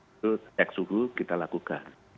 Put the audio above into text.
itu cek suhu kita lakukan